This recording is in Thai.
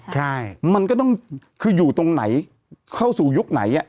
ใช่มันก็ต้องคืออยู่ตรงไหนเข้าสู่ยุคไหน